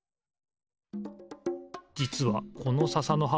じつはこのささのはは